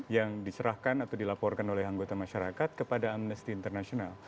yang diserahkan atau dilaporkan oleh anggota masyarakat kepada amnesty international